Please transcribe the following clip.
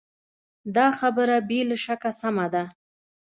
دا خبره بې له شکه سمه ده.